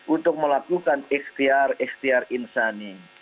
untuk melakukan istiar istiar insani